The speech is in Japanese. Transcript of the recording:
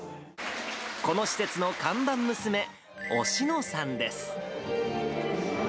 この施設の看板娘、おしのさんです。